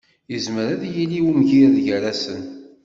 Yezmer ad yili umgired gar-asen.